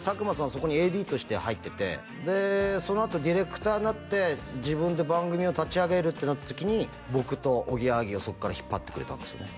そこにＡＤとして入っててでそのあとディレクターになって自分で番組を立ち上げるってなった時に僕とおぎやはぎをそこから引っ張ってくれたんですよね